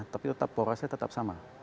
tapi tetap porosnya tetap sama